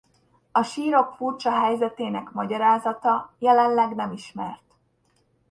A sírok furcsa helyzetének magyarázata jelenleg nem ismert.